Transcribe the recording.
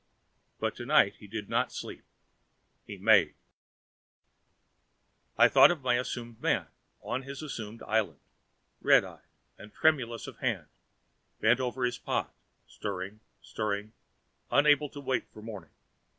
But tonight he did not sleep; he made. I thought of my assumed man, on his assumed island, red eyed and tremulous of hand, bent over his pot, stirring, stirring, unable to wait for morning.